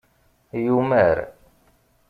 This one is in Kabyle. Yumar.